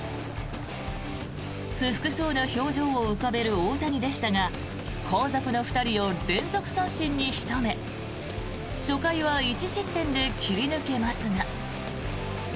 不服そうな表情を浮かべる大谷でしたが後続の２人を連続三振に仕留め初回は１失点で切り抜けますが。